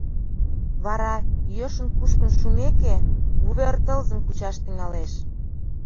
Вара, йӧршын кушкын шумеке, вувер тылзым кучаш тӱҥалеш.